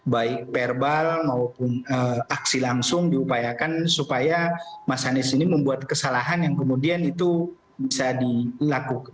baik verbal maupun aksi langsung diupayakan supaya mas anies ini membuat kesalahan yang kemudian itu bisa dilakukan